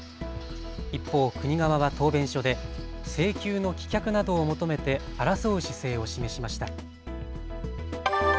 一方、国側は答弁書で請求の棄却などを求めて争う姿勢を示しました。